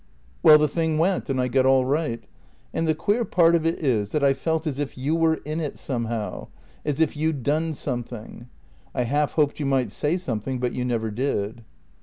"Well, the thing went; and I got all right. And the queer part of it is that I felt as if you were in it somehow, as if you'd done something. I half hoped you might say something, but you never did."